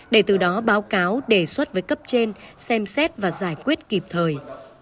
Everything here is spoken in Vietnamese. để từ đó báo cáo đề xuất với cấp trên xem xét và giải quyết kịp thời